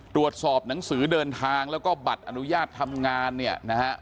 ตรวจสอบหนังสือเดินทางแล้วก็บัตรอนุญาตทำงานเนี่ยนะฮะ